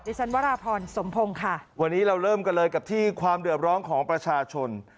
ฉันวราพรสมพงศ์ค่ะวันนี้เราเริ่มกันเลยกับที่ความเดือดร้อนของประชาชน